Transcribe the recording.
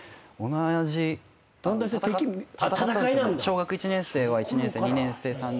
小学１年生は１年生２年生３年。